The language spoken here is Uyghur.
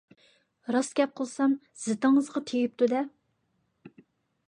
راست گەپ قىلسام زىتىڭىزغا تېگىپتۇ-دە!